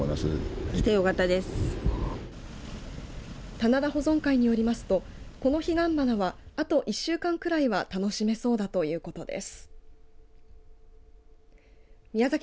棚田保存会によりますとこの彼岸花はあと１週間くらいは楽しめそうだということです。